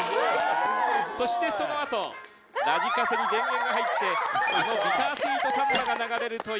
そしてそのあとラジカセに電源が入ってビタースイートサンバが流れるという心憎い演出でした。